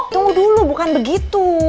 tunggu dulu bukan begitu